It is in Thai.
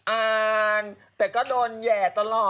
อ่านแต่ก็โดนแห่ตลอด